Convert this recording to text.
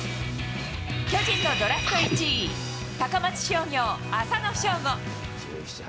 巨人のドラフト１位、高松商業、浅野翔吾。